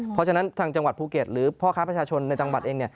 เพราะฉะนั้นทางจังหวัดภูเก็ตหรือพ่อค้าประชาชนในจังหวัดเอง